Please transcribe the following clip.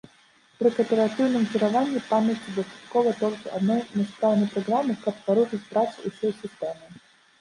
Пры кааператыўным кіраванні памяццю дастаткова толькі адной няспраўнай праграмы, каб парушыць працу ўсёй сістэмы.